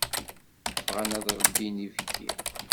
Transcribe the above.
Bɣan ad ṛebbin ibekki.